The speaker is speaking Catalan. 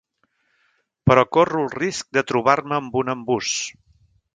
Però corro el risc de trobar-me amb un embús.